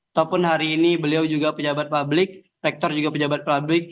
ataupun hari ini beliau juga pejabat publik rektor juga pejabat publik